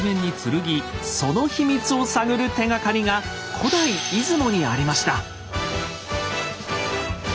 その秘密を探る手がかりが古代出雲にありました。